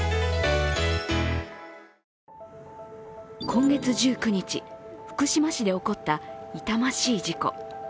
今月１９日、福島市で起こった痛ましい事故。